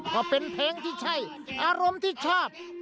ก็เป็นเพลงที่ใช่อารมณ์ที่ชอบ